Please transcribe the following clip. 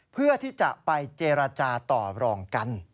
เพื่อที่จะไปเจรจาต่อรองกัน